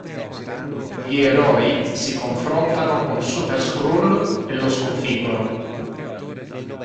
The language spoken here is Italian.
Gli eroi si confrontano con Super-Skrull e lo sconfiggono.